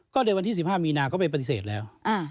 ก็ในวันที่๑๕มีนาก็ไปปฏิเสธแล้ว